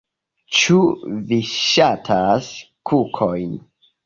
Ĉu vi ŝatas kukojn?